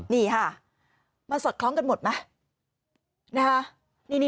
นี่ค่ะมันสอดคล้องกันหมดไหม